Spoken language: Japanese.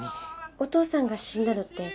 お父さんが死んだのって